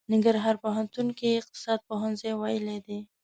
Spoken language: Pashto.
ننګرهار پوهنتون کې يې اقتصاد پوهنځی ويلی دی.